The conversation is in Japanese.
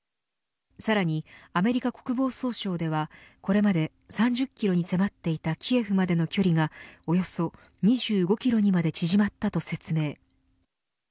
さらにアメリカ国防総省ではこれまで３０キロに迫っていたキエフまでの距離がおよそ２５キロにまで縮まったと説明。